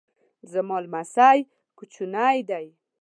زما لمسی کوچنی دی